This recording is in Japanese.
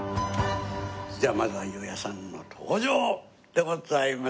「じゃあまずは裕也さんの登場でございます」